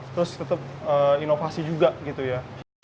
terus tetap inovasi juga gitu ya